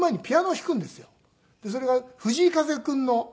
それが藤井風君の。